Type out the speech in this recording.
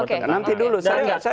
itu yang kita harus merangkap